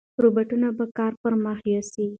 روباټونه به کار پرمخ یوسي.